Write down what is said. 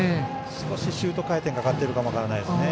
少しシュート回転かかってるかもしれないです。